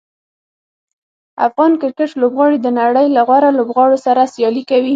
افغان کرکټ لوبغاړي د نړۍ له غوره لوبغاړو سره سیالي کوي.